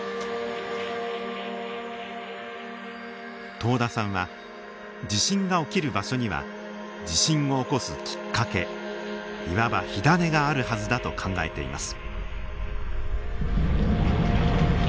遠田さんは地震が起きる場所には地震を起こすきっかけいわば火種があるはずだと考えています。